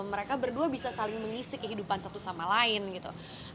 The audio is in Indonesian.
mereka berdua bisa saling mengisi kehidupan satu sama lain gitu